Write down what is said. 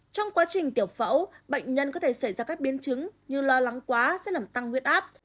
trong quá trình tiểu phẫu bệnh nhân có thể xảy ra các biến chứng như lo lắng quá sẽ làm tăng huyết áp